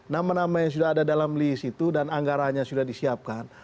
nama nama yang sudah ada dalam list itu dan anggaranya sudah disiapkan